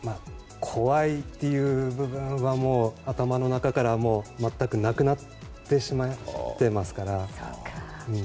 怖いという部分は頭の中から全くなくなってしまっていますから。